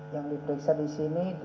yang diperiksa disini